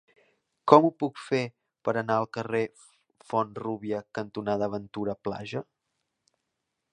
Com ho puc fer per anar al carrer Font-rúbia cantonada Ventura Plaja?